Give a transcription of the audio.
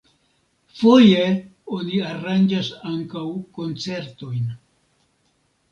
Foje oni aranĝas ankaŭ koncertojn.